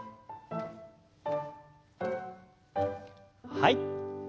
はい。